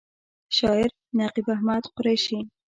شاعر: نقیب احمد قریشي